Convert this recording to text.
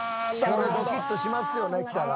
これドキッとしますよね来たら。